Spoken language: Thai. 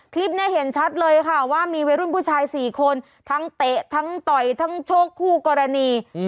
คลิปเนี่ยเห็นชัดเลยค่ะว่ามีวัยรุ่นผู้ชาย๔คนทั้งเตะทั้งต่อยทั้งโชคคู่กรณี